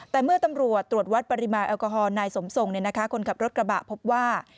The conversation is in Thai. แต่เมื่อตำรวจตรวจวัดปริมาณแอลกอฮอลนายสมทรงคนขับรถกระบะพบว่า